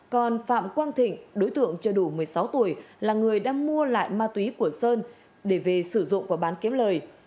còn phạm quang thịnh đối tượng chưa đủ một mươi sáu tuổi là người đã mua lại ma túy của sơn để về sử dụng và bán kiếm lời